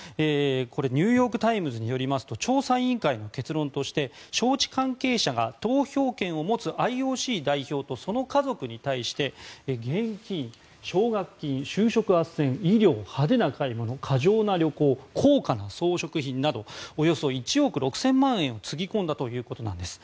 これ、ニューヨーク・タイムズによりますと調査委員会の結論として招致関係者が投票権を持つＩＯＣ代表とその家族に対して現金、奨学金就職あっせん、医療派手な買い物、過剰な旅行高価な装飾品などおよそ１億６０００万円をつぎ込んだということです。